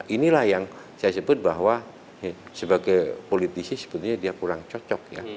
inilah yang saya sebut bahwa sebagai politisi sebetulnya dia kurang cocok ya